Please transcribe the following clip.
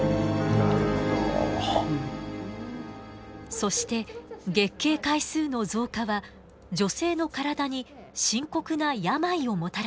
そして月経回数の増加は女性の体に深刻な病をもたらしています。